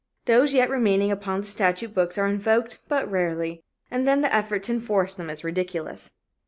Those yet remaining upon the statute books are invoked but rarely, and then the effort to enforce them is ridiculous.